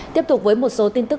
tiếp tục với một số tin tức